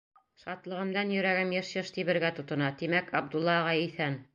Шатлығымдан йөрәгем йыш-йыш тибергә тотона: тимәк, Абдулла ағай иҫән.